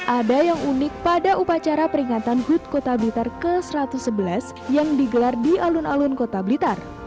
ada yang unik pada upacara peringatan hut kota blitar ke satu ratus sebelas yang digelar di alun alun kota blitar